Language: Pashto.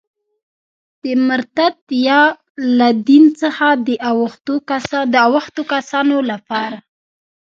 د مرتد یا له دین څخه د اوښتو کسانو لپاره.